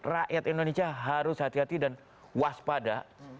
rakyat indonesia harus hati hati dan waspada